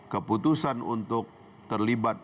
keputusan untuk terlibat